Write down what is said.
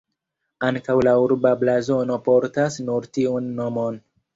Ankaŭ la urba blazono portas nur tiun nomon.